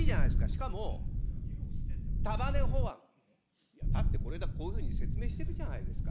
しかも束ね法案、だって、こういうふうに説明してるじゃないですか。